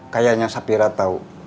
kayaknya safira tau